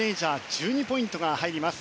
１２ポイントが入ります。